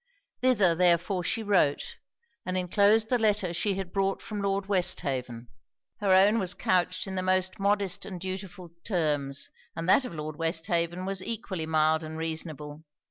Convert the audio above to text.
Thither therefore she wrote, and enclosed the letter she had brought from Lord Westhaven. Her own was couched in the most modest and dutiful terms, and that of Lord Westhaven was equally mild and reasonable.